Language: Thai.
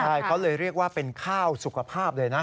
ใช่เขาเลยเรียกว่าเป็นข้าวสุขภาพเลยนะ